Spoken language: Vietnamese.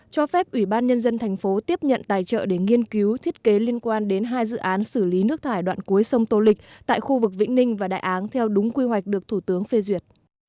cho phép ủy ban nhân dân thành phố tiếp nhận tài trợ để nghiên cứu thiết kế liên quan đến hai dự án xử lý nước thải đoạn cuối sông tô lịch tại khu vực vĩnh ninh và đại áng theo đúng quy hoạch được thủ tướng phê duyệt